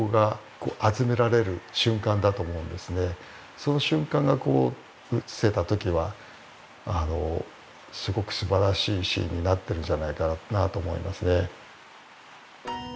その瞬間が映せた時はすごくすばらしいシーンになってるんじゃないかなと思いますね。